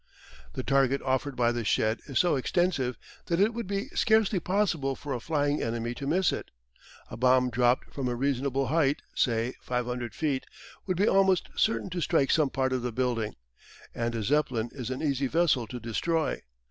The target offered by the shed is so extensive that it would be scarcely possible for a flying enemy to miss it. A bomb dropped from a reasonable height, say 500 feet, would be almost certain to strike some part of the building, and a Zeppelin is an easy vessel to destroy.